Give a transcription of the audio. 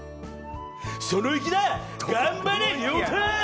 そのいきだ、頑張れ涼太！